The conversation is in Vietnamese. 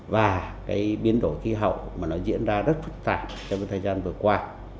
và biến đổi khí hậu diễn ra rất phức tạp trong thời gian vừa qua